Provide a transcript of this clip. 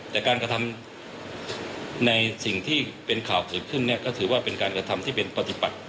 แต่การกระทำในสิ่งที่เป็นข่าวเกิดขึ้นเนี่ยก็ถือว่าเป็นการกระทำที่เป็นปฏิบัติ